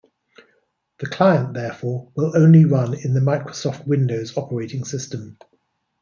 The client, therefore, will only run in the Microsoft Windows operating system.